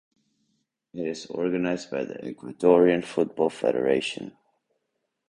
It is organized by the Ecuadorian Football Federation.